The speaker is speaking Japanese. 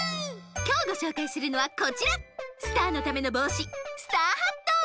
きょうごしょうかいするのはこちらスターのためのぼうしスターハット！